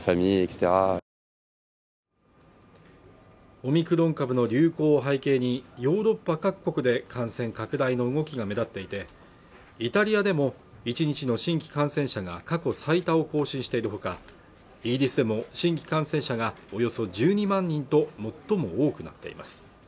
オミクロン株の流行を背景にヨーロッパ各国で感染拡大の動きが目立っていてイタリアでも１日の新規感染者が過去最多を更新しているほかイギリスでも新規感染者がおよそ１２万人と最も多くなっています